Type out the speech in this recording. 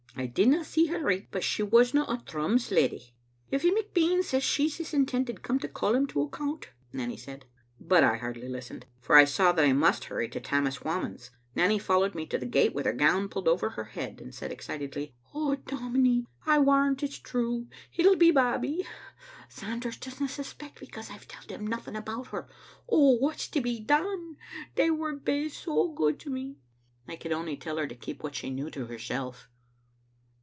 I didna see her richt, but she wasna a Thrums leddy." " Effie McBean says she's his intended, come to call him to account," Nanny said; but I hardly listened, for I saw that I must hurry to Tammas Whamond'a Digitized by VjOOQ IC defence of tbe Aanae* 9Vt Nanny followed me to the gate with her gown pulled over her head, and said excitedly: "Oh, dominie, I warrant it's true. It'll be Babbie. Sanders doesna suspect, because I've telled him noth ing about her. Oh, what's to be done? They were baith so good to me. " I could only tell her to keep what she knew to herself.